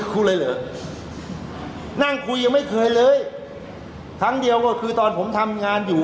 คุยเลยเหรอนั่งคุยยังไม่เคยเลยครั้งเดียวก็คือตอนผมทำงานอยู่